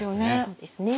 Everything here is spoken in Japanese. そうですね。